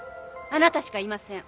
あなたしかいません。